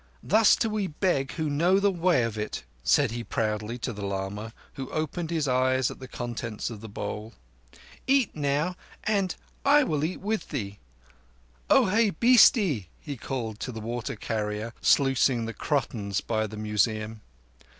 "Thus do we beg who know the way of it," said he proudly to the lama, who opened his eyes at the contents of the bowl. "Eat now and—I will eat with thee. Ohé bhistie!" he called to the water carrier, sluicing the crotons by the Museum.